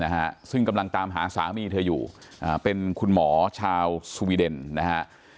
นะฮะซึ่งกำลังตามหาสามีเธออยู่อ่าเป็นคุณหมอชาวสวีเดนนะฮะ